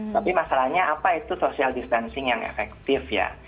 tapi masalahnya apa itu social distancing yang efektif ya